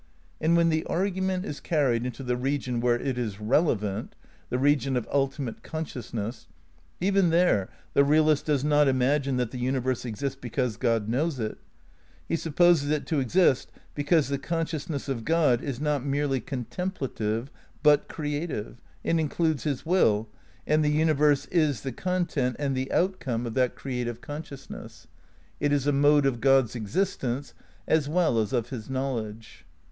And when the argument is carried into the region where it is relevantj^ the region of ultimate conscious ness, even there the realist does not imagine that the universe exists because Grod knows it. He supposes it to exist because the consciousness of God is not merely contemplative but creative and includes his Will, and the universe is the content and the outcome of that vm RECONSTEUCTION OF IDEALISM 273 creative consoiousness ; it is a mode of God's existence as well as of his knowledge.